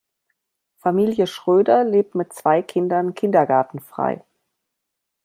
Familie Schröder lebt mit zwei Kindern Kindergartenfrei.